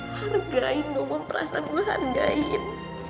hargain dong memperasa gue hargain